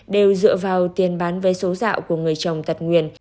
đều dựa vào tiền bán vé số dạo của người chồng tật nguyền